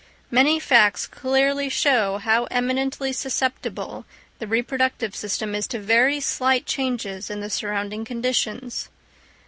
Many facts clearly show how eminently susceptible the reproductive system is to very slight changes in the surrounding conditions.